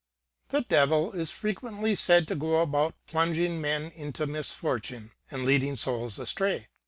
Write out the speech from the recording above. ^ The Devil is frequently said to go about plunging men into misfortune and leading souls astray.